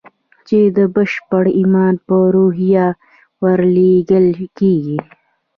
چې د بشپړ ايمان په روحيه ورلېږل کېږي.